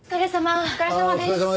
ああお疲れさまです。